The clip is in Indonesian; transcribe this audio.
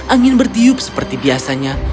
angin bertiup seperti biasanya